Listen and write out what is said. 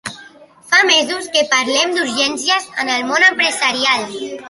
Fa mesos que parlem d’urgències en el món empresarial.